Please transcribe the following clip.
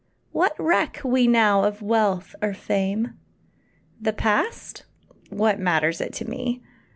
What reck we now of wealth or fame? The past what matters it to me?